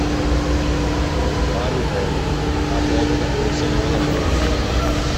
Para o velho, abóbora ou cebola nele.